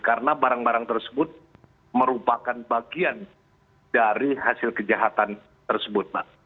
karena barang barang tersebut merupakan bagian dari hasil kejahatan tersebut mbak